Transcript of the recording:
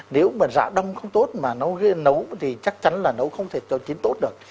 nếu mà giả đông không tốt mà nó nấu thì chắc chắn là nấu không thể chín tốt được